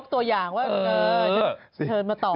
ตัวอย่างว่าเออ